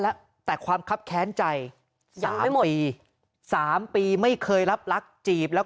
แล้วแต่ความคับแค้นใจยังไม่หมดอีกสามปีไม่เคยรับรักจีบแล้ว